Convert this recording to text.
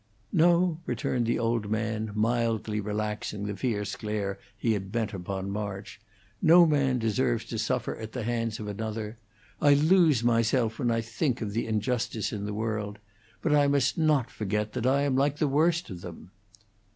"No," returned the old man, mildly relaxing the fierce glare he had bent upon March. "No man deserves to suffer at the hands of another. I lose myself when I think of the injustice in the world. But I must not forget that I am like the worst of them."